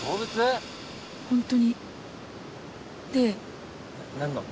ほんとに。